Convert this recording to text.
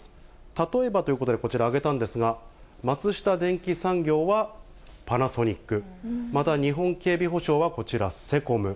例えばということで、こちら挙げたんですが、松下電器産業はパナソニック、また、日本警備保障はこちらセコム。